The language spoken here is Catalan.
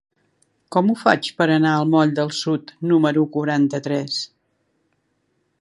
Com ho faig per anar al moll del Sud número quaranta-tres?